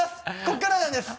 ここからなんです